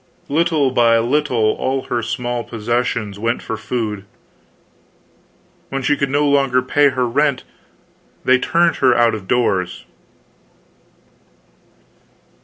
Little by little all her small possessions went for food. When she could no longer pay her rent, they turned her out of doors.